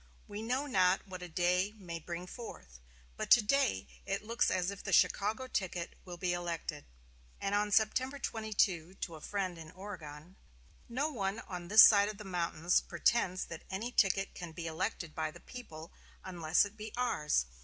We know not what a day may bring forth, but to day it looks as if the Chicago ticket will be elected." And on September 22, to a friend in Oregon: "No one on this side of the mountains pretends that any ticket can be elected by the people, unless it be ours.